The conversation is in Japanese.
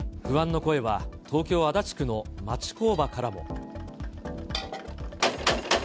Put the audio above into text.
不安の声は、東京・足立区の町工場からも。